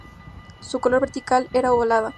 Su cola vertical era ovalada.